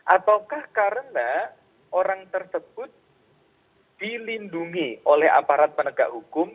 ataukah karena orang tersebut dilindungi oleh aparat penegak hukum